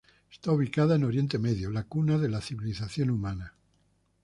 Está ubicada en Oriente Medio, la cuna de la civilización humana.